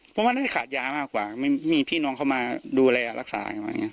เพราะว่านี่ขาดยามากกว่ามีพี่น้องเข้ามาดูแลรักษา